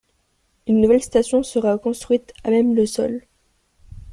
Une nouvelle station sera construite à même le sol.